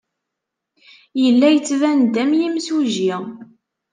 Yella yettban-d am yimsujji?